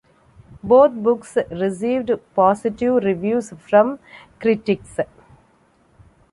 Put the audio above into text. Both books received positive reviews from critics.